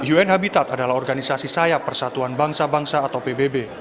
un habitat adalah organisasi sayap persatuan bangsa bangsa atau pbb